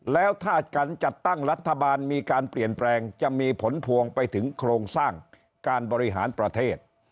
แล้วถ้าการจัดตั้งรัฐบาลมีการเปลี่ยนแปลงจะมีผลพวงไปถึงโครงสร้างการบริหารประเทศ